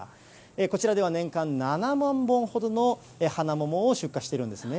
こちらでは年間７万本ほどの花桃を出荷してるんですね。